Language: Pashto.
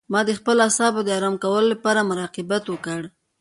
ما د خپلو اعصابو د آرام کولو لپاره مراقبت وکړ.